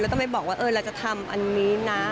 แล้วก็ไปบอกว่าเราจะทำอันนี้นะ